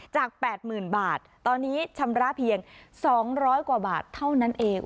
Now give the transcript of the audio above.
จาก๘๐๐๐บาทตอนนี้ชำระเพียง๒๐๐กว่าบาทเท่านั้นเอง